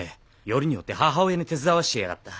よりによって母親に手伝わしていやがった。